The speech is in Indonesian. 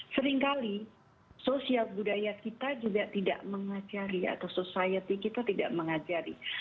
seringkali sosial budaya kita juga tidak mengajari atau society kita tidak mengajari